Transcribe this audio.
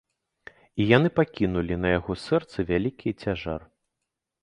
І яны пакінулі на яго сэрцы вялікі цяжар.